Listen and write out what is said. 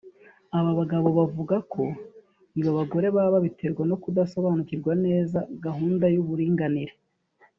Aba bagabo bavuga ko ibi abagore baba babiterwa no kudasobanukirwa neza gahunda y’uburinganire